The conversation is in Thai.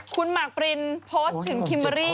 คุณหมากปรินโพสต์ถึงคิมเบอรี่